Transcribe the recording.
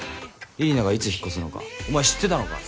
李里奈がいつ引っ越すのかお前知ってたのか？